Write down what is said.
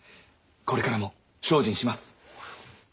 これからも精進します。